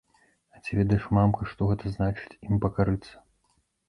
А ці ведаеш, мамка, што гэта значыць ім пакарыцца?